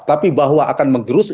tapi bahwa akan menggerus